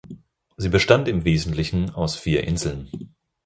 Sie bestand im Wesentlichen aus vier Inseln.